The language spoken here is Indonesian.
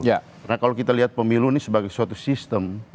karena kalau kita lihat pemilu ini sebagai suatu sistem